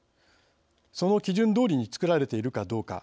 その基準どおりに造られているかどうか。